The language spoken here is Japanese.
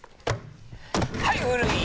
はい古い！